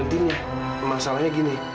liontinnya dari awal memang terlalu keras ya